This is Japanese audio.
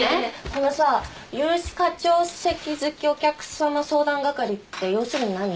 このさ融資課長席付お客様相談係って要するに何？